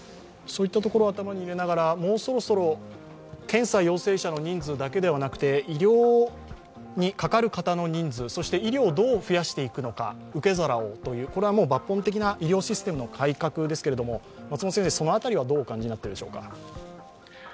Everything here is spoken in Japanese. そういったところを頭に入れながら、もうそろそろ検査陽性者の人数だけではなくて医療にかかる方の人数、そして医療をどう増やしていくのか、受け皿をという、抜本的な医療システムの改革ですけどもその辺りはどうお感じになっているでしょうか。